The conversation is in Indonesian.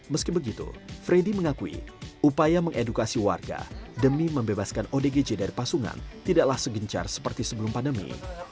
meski begitu freddy mengakui upaya mengedukasi warga demi membebaskan odgj dari pasungan tidaklah segencar seperti sebelum pandemi